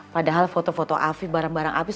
padahal foto foto afif barang barang abis